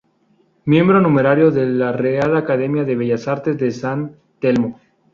Miembro numerario de la Real Academia de Bellas Artes de San Telmo.